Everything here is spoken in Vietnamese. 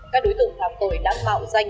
các đối tượng phạm tội đáng mạo dành